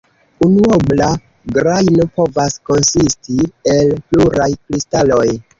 Unuobla grajno povas konsisti el pluraj kristaloj.